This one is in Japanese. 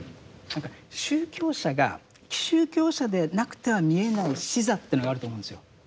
何か宗教者が宗教者でなくては見えない視座というのがあると思うんですよ。